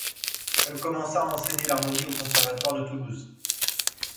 Elle commença à enseigner l'harmonie au conservatoire de Toulouse.